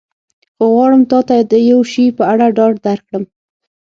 خو غواړم تا ته د یو شي په اړه ډاډ درکړم.